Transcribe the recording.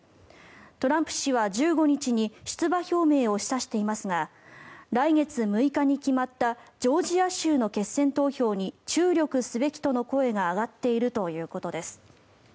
トランプ氏は１５日に出馬表明を示唆していますが来月６日に決まったジョージア州の決選投票に注力すべきとの声が上がっているということです。